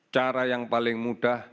cara yang paling mudah